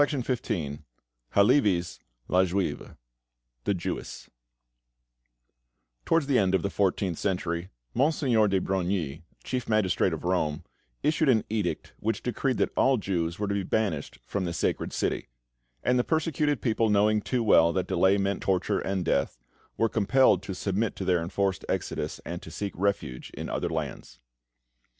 [Illustration: HALÈVY] THE JEWESS (La Juive) Towards the end of the fourteenth century, Monseigneur de Brogni, Chief Magistrate of Rome, issued an Edict which decreed that all Jews were to be banished from the sacred city; and the persecuted people, knowing too well that delay meant torture and death, were compelled to submit to their enforced exodus, and to seek refuge in other lands.